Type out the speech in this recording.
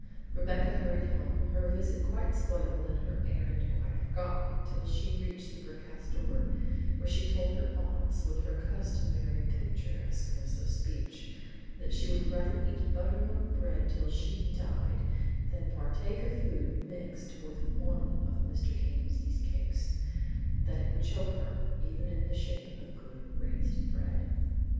Rebecca hurried home, her visit quite spoiled and her errand quite forgotten till she reached the brick house door, where she told her aunts, with her customary picturesqueness of speech, that she would rather eat buttermilk bread till she died than partake of food mixed with one of Mr. Came's yeast cakes; that it would choke her, even in the shape of good raised bread.